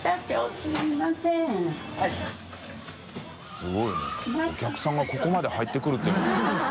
垢瓦い茲お客さんがここまで入ってくるっていうのも。